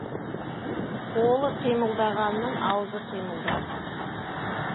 Қолы қимылдағанның аузы қимылдар.